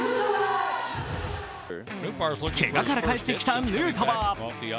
けがから帰ってきたヌートバー。